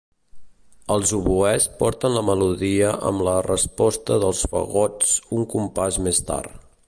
Els oboès porten la melodia amb la resposta dels fagots un compàs més tard.